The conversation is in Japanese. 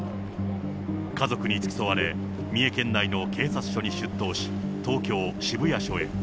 家族に付き添われ、三重県内の警察署に出頭し、東京・渋谷署へ。